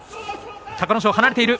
隆の勝、離れている。